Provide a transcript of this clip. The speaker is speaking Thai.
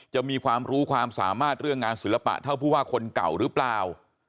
จะมีความรู้ความสามารถเรื่องงานศิลปะเท่าผู้ว่าคนเก่าหรือเปล่า